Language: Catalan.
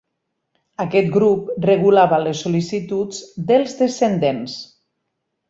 Aquest grup regulava les sol·licituds dels descendents.